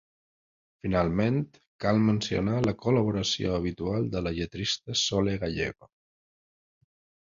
Finalment, cal mencionar la col·laboració habitual de la lletrista Sole Gallego.